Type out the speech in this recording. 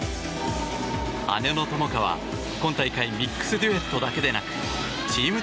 姉の友花は今大会ミックスデュエットだけでなくチーム